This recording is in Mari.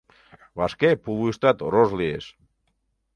Вашке пулвуйыштат рож лиеш.